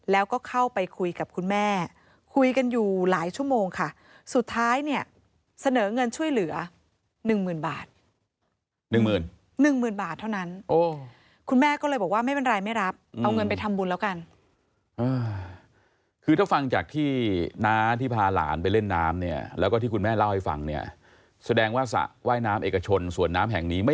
แล้วก็เข้าไปคุยกับคุณแม่คุยกันอยู่หลายชั่วโมงค่ะสุดท้ายเนี่ยเสนอเงินช่วยเหลือหนึ่งหมื่นบาทหนึ่งหมื่นหนึ่งหมื่นบาทเท่านั้นคุณแม่ก็เลยบอกว่าไม่เป็นไรไม่รับเอาเงินไปทำบุญแล้วกันคือถ้าฟังจากที่น้าที่พาหลานไปเล่นน้ำเนี่ยแล้วก็ที่คุณแม่เล่าให้ฟังเนี่ยแสดงว่าสระว่ายน้ำเอกชนสวนน้ำแห่งนี้ไม่